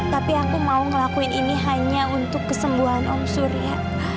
tapi aku mau ngelakuin ini hanya untuk kesembuhan omsure ya